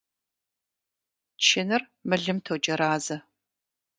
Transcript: Чыныр мылым тоджэразэ.